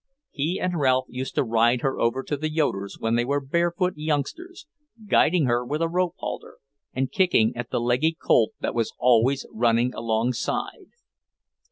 He and Ralph used to ride her over to the Yoeders' when they were barefoot youngsters, guiding her with a rope halter, and kicking at the leggy colt that was always running alongside.